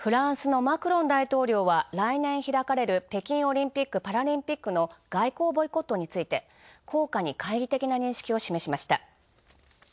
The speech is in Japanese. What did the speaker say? フランスのマクロン大統領は来年開かれる北京オリンピック・パラリンピックの外交ボイコットについて効果に懐疑的な認識を示しました。